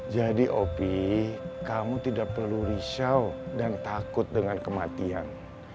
jadi opi kamu tidak perlu risau dan takut dengan kematian